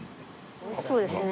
おいしそうですね。